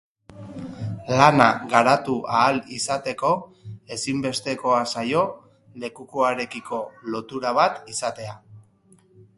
Lana garatu ahal izateko, ezinbestekoa zaio lekuarekiko lotura bat izatea.